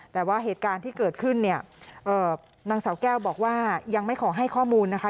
แต่ว่าเหตุการณ์ที่เกิดขึ้นเนี่ยนางสาวแก้วบอกว่ายังไม่ขอให้ข้อมูลนะคะ